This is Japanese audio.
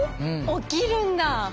起きるんだ。